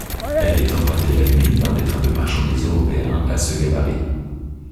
Elle est empruntée la nuit par des trains de marchandises européens à ce gabarit.